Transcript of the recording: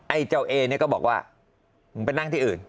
ไอ้เจ้าเอเนี่ยก็บอกว่ามึงไปนั่งที่อื่น